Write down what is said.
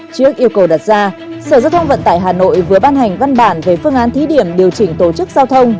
trước yêu cầu đặt ra sở giao thông vận tải hà nội vừa ban hành văn bản về phương án thí điểm điều chỉnh tổ chức giao thông